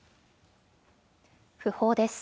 訃報です。